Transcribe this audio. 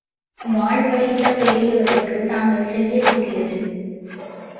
வாழ்வளித்த பெரியவருக்கு தாங்கள் செய்யக் கூடியது.